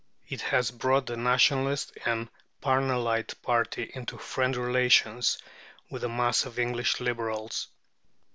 It has brought the Nationalist or Parnellite party into friendly relations with the mass of English Liberals.